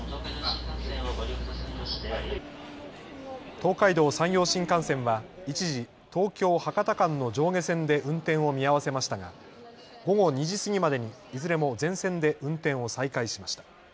東海道、山陽新幹線は一時東京・博多間の上下線で運転を見合わせましたが午後２時過ぎまでにいずれも全線で運転を再開しました。